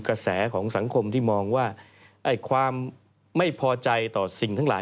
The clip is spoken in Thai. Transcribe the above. กระแสของสังคมที่มองว่าความไม่พอใจต่อสิ่งทั้งหลาย